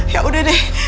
ya udah deh